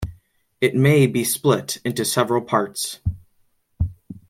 It may be split into several parts.